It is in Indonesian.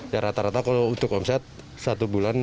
ya rata rata kalau untuk omset satu bulan